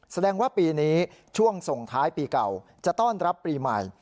แสดงว่าปีนี้ช่วงส่งท้ายปีเก่าจะต้อนรับปีใหม่